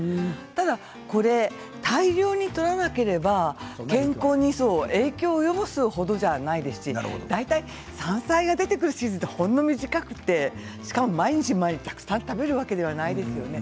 ただこれ大量にとらなければ健康に影響を及ぼすほどじゃないですし大体山菜が出てくるシーズンってほんの短くてしかも毎日毎日たくさん食べるわけではないですよね。